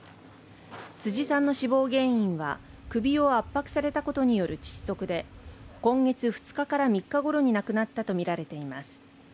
辻さんの死亡原因は首を圧迫されたことによる窒息で今月２日から３日頃に亡くなったとみられています。